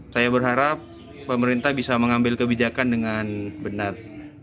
saya berharap pemerintah bisa mengambil kebijakan dengan benar